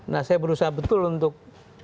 saya berusaha betul untuk